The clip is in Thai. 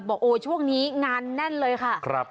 บอกโอ้ช่วงนี้งานแน่นเลยค่ะครับ